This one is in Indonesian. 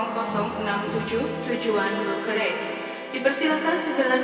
cuma menurut saya dia masih disimpan